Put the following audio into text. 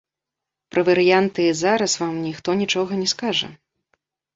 Пра варыянты зараз вам ніхто нічога не скажа.